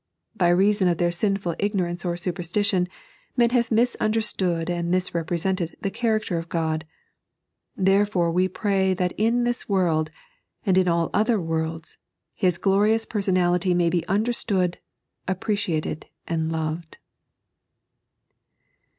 By reason of their sinful ignor ance or superstition, men have misunderstood and misrepre sented the character of God ; therefore we pray that in this world, and in all other worlds. His glorious personality may be understood, appreciated, and loved.